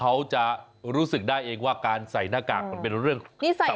เขาจะรู้สึกได้เองว่าการใส่หน้ากากมันเป็นเรื่องนิสัย